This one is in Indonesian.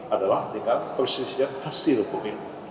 adalah dengan perselisihan hasil pemilu